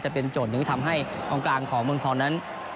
จะเป็นโจทย์หนึ่งทำให้ของกลางของเมืองทรนั้น